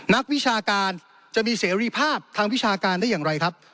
นักวิชาการจะมีเสรีภาพทางวิชาการได้อย่างไรครับ